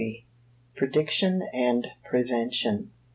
PREDICTION AND PREVENTION.